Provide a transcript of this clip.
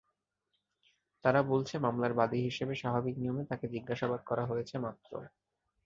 তারা বলছে, মামলার বাদী হিসেবে স্বাভাবিক নিয়মে তাঁকে জিজ্ঞাসাবাদ করা হয়েছে মাত্র।